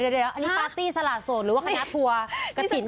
เดี๋ยวอันนี้ปาร์ตี้สละโสดหรือว่าคณะทัวร์กระถิ่น